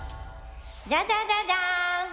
ジャジャジャジャーン！